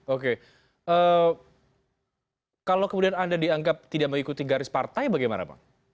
oke kalau kemudian anda dianggap tidak mengikuti garis partai bagaimana bang